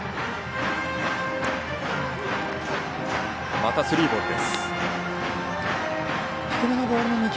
またスリーボールです。